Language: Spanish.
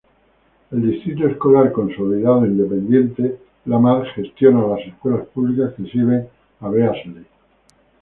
El Distrito Escolar Consolidado Independiente Lamar gestiona las escuelas públicas que sirven a Beasley.